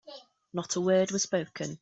Not a word was spoken.